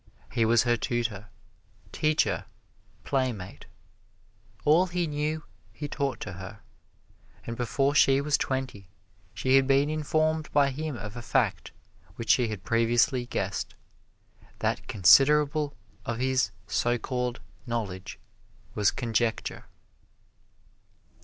He was her tutor, teacher, playmate. All he knew he taught to her, and before she was twenty she had been informed by him of a fact which she had previously guessed that considerable of his so called knowledge was conjecture.